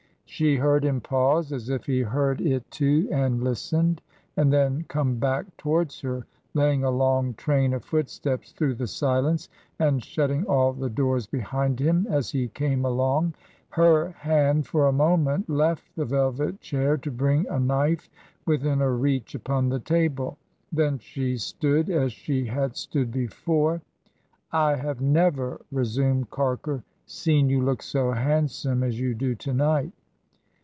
She heard him pause, as if he heard it too and listened; and then come back towards her, laying a long train of footsteps through the silence, and shutting all the doors behind him as he came along. Her hand, for a moment, left the velvet chair to bring a knife within her reach upon the table; then she stood as she had stood before. ... 'I have never,' re sumed Carker, 'seen you look so handsome as you do to night.'